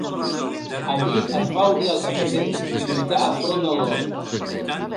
Allí es va unir al requeté i lluità al front del Nord.